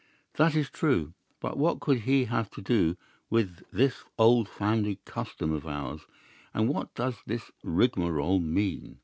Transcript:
"'That is true. But what could he have to do with this old family custom of ours, and what does this rigmarole mean?